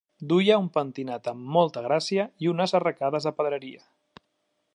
Duia un pentinat amb molta gràcia i unes arracades de pedreria.